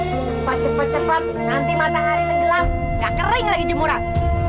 cepat cepat nanti matahari tenggelam gak kering lagi jemuran